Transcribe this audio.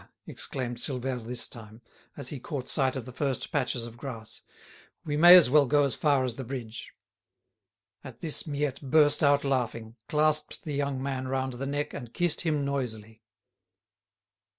exclaimed Silvère this time, as he caught sight of the first patches of grass: "we may as well go as far as the bridge." At this Miette burst out laughing, clasped the young man round the neck, and kissed him noisily.